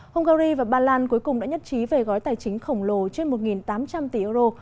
hungary và ba lan cuối cùng đã nhất trí về gói tài chính khổng lồ trên một tám trăm linh tỷ euro